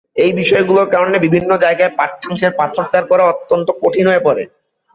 এই বিষয়গুলোর কারণে বিভিন্ন জায়গায় পাঠ্যাংশের পাঠোদ্ধার করা অত্যন্ত কঠিন হয়ে পড়ে।